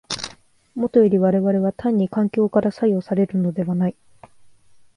もとより我々は単に環境から作用されるのではない。